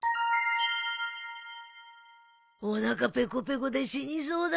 おなかペコペコで死にそうだ。